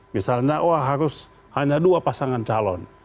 misalnya wah harus hanya dua pasangan calon